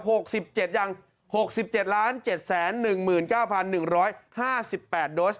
หกสิบเจ็ดยัง๖๗ล้านเจ็ดแสน๑หมื่น๙พัน๑ร้อย๕๘โดส